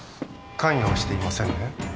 関与はしていませんね？